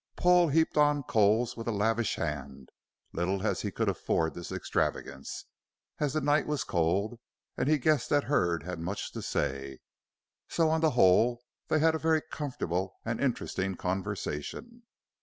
Paul heaped on coals with a lavish hand, little as he could afford this extravagance, as the night was cold and he guessed that Hurd had much to say. So, on the whole, they had a very comfortable and interesting conversation.